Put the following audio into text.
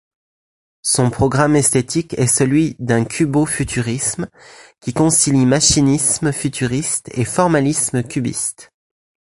Son programme esthétique est celui d'un cubofuturisme qui concilie machinisme futuriste et formalisme cubiste.